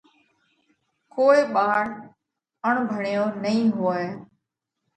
ڪوئي ٻاۯ اڻڀڻيو نئين هوئہ۔